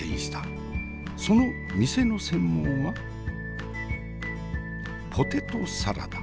その店の専門はポテトサラダ。